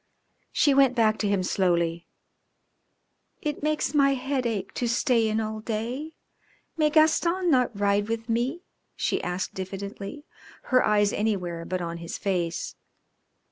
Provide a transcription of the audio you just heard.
She went back to him slowly. "It makes my head ache, to stay in all day. May Gaston not ride with me?" she asked diffidently, her eyes anywhere but on his face.